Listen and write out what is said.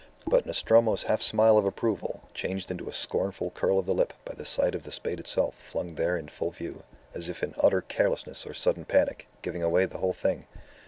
But Nostromo's half smile of approval changed into a scornful curl of the lip by the sight of the spade itself flung there in full view, as if in utter carelessness or sudden panic, giving away the whole thing.